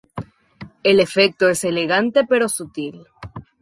El efecto es elegante pero sutil.